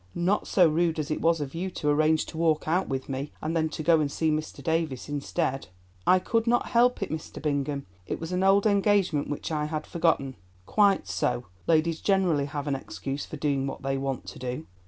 "Not so rude as it was of you to arrange to walk out with me and then to go and see Mr. Davies instead." "I could not help it, Mr. Bingham; it was an old engagement, which I had forgotten." "Quite so, ladies generally have an excuse for doing what they want to do."